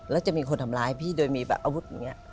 และจะมีคนทำลายพี่โดยอาวุธ